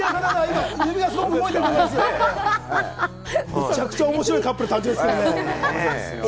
めちゃくちゃ面白いカップル誕生ですね。